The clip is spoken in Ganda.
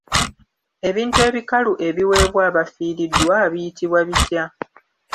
Ebintu ebikalu ebiweebwa abafiiriddwa biyitibwa bitya?